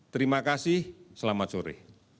terima kasih selamat siang